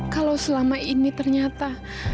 kalau selama ini ternyata